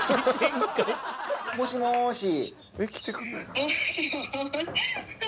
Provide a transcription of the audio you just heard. もしもし。